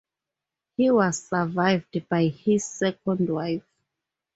He was survived by his second wife.